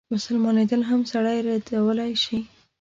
مسلمانېدل هم سړی ردولای شي.